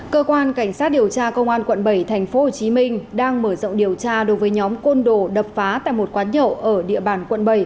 cơ quan cảnh sát điều tra công an quận bảy tp hcm đang mở rộng điều tra đối với nhóm côn đồ đập phá tại một quán nhậu ở địa bàn quận bảy